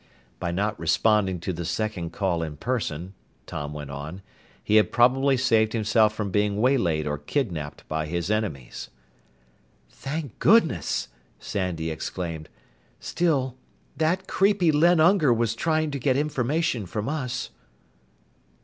By not responding to the second call in person, Tom went on, he had probably saved himself from being waylaid or kidnaped by his enemies. "Thank goodness!" Sandy exclaimed. "Still, that creepy Len Unger was trying to get information from us."